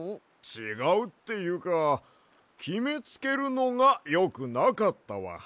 ちがうっていうかきめつけるのがよくなかったわ。